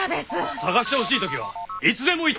捜してほしい時はいつでも言ってくれ！